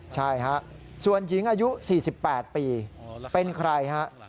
ใช่ครับส่วนหญิงอายุ๔๘ปีเป็นใครครับ